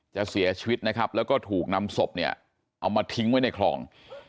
เสียชีวิตนะครับแล้วก็ถูกนำศพเนี่ยเอามาทิ้งไว้ในคลอง